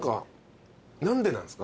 何でなんすか？